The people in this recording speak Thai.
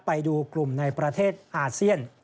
ไปดูกลุ่มในประเทศอาเซียน